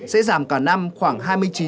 sẽ giảm cả năm khoảng